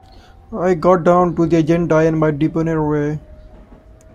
I got down to the agenda in my debonair way.